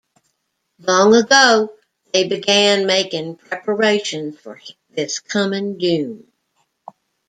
Long ago, they began making preparations for this coming doom.